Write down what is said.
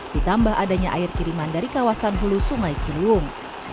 ditambah adanya air kiriman dari kawasan hulu sungai ciliwung